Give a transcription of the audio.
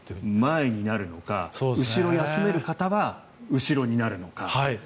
前になるのか後ろ休める方は後ろになるのか。